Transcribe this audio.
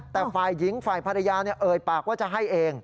แต่ฝ่ายหญิงฝ่ายภรรยาเอ่ยปากว่าจะให้เอง